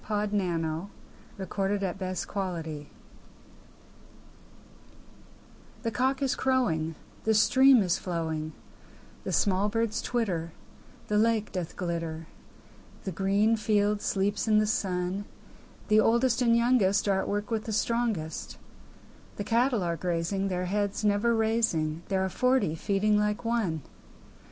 William Wordsworth Written in March THE cock is crowing, The stream is flowing, The small birds twitter, The lake doth glitter The green field sleeps in the sun; The oldest and youngest Are at work with the strongest; The cattle are grazing, Their heads never raising; There are forty feeding like one!